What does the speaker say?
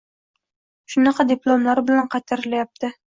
Shunaqa diplomlari bilan qaytarilayapti.